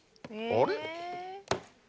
あれ？